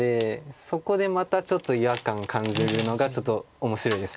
そこでまたちょっと違和感感じるのがちょっと面白いです